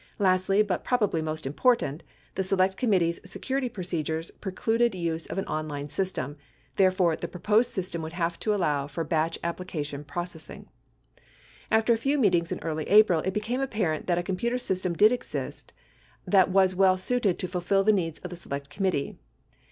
Lastly, but probably most important, the Select Committee's security procedures precluded using an online system; therefore, the proposed system would have to allow for batch application processing'. After a few meetings in early April, it became apparent that a com puter system did exist that was well suited to fulfill the needs of the Select Committee.